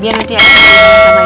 biar nanti aku bawa sama ibu ibu ini